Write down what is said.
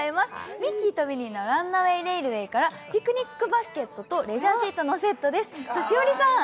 ミッキーとミニーのランナウェイ・レイルウェイからピクニックバスケットとレジャーシートのセットです。